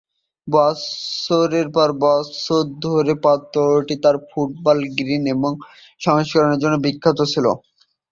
বছরের পর বছর ধরে পত্রিকাটি তার "ফুটবল গ্রিন" সংস্করণের জন্য বিখ্যাত ছিল।